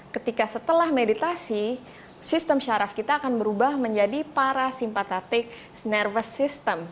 ketika setelah meditasi sistem syaraf kita akan berubah menjadi parasimpatatik nervous system